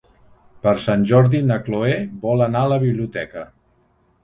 Per Sant Jordi na Chloé vol anar a la biblioteca.